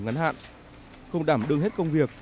ngắn hạn không đảm đương hết công việc